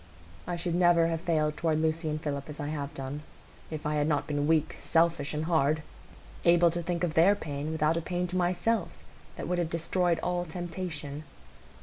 I should never have failed toward Lucy and Philip as I have done, if I had not been weak, selfish, and hard,—able to think of their pain without a pain to myself that would have destroyed all temptation.